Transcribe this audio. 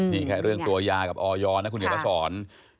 นี่แค่เรื่องตัวยากับออยนะคุณเขียนมาสอน